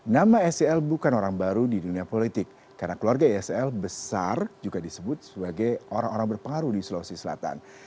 nama sel bukan orang baru di dunia politik karena keluarga isl besar juga disebut sebagai orang orang berpengaruh di sulawesi selatan